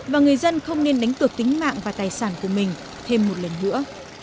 và người dân không nên đánh cược tính mạng và tài sản của mình thêm một lần nữa